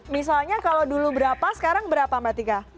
misalnya kalau dulu berapa sekarang berapa mbak tika